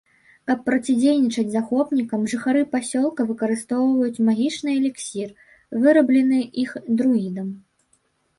Каб процідзейнічаць захопнікам жыхары пасёлка выкарыстоўваюць магічны эліксір, выраблены іх друідам.